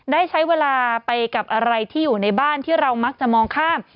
ได้ใช้เวลาไปกับอะไรที่อยู่ในบ้านที่เรามักจะมองข้าม